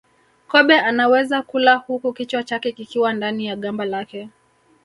Kobe anaweza kula huku kichwa chake kikiwa ndani ya gamba lake